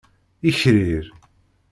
Ikrir.